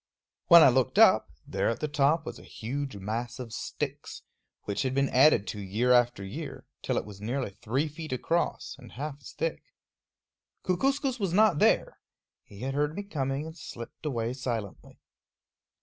When I looked up, there at the top was a huge mass of sticks, which had been added to year after year till it was nearly three feet across, and half as thick. Kookooskoos was not there. He had heard me coming and slipped away silently.